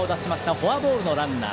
フォアボールのランナー。